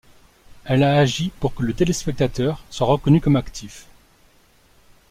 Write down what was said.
Elle a agi pour que le téléspectateur soit reconnu comme actif.